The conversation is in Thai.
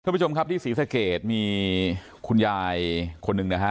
ผู้ชมครับที่ศรีสะเกดมีคุณยายคนหนึ่งนะฮะ